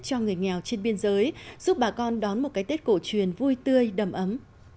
các hộ gia đình trên biên giới giúp bà con đón một cái tết cổ truyền vui tươi đầm ấm